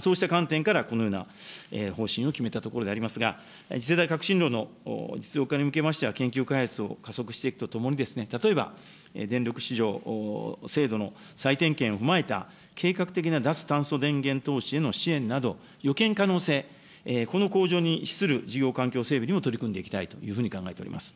そうした観点からこのような方針を決めたところでありますが、次世代革新炉の実用化に向けましては、研究開発を加速していくとともにですね、例えば、電力市場、制度の再点検を踏まえた、計画的な脱炭素電源等への支援など、予見可能性、この向上に資する事業環境整備にも取り組んでいきたいというふうに考えております。